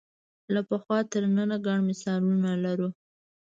له پخوا تر ننه ګڼ مثالونه لرو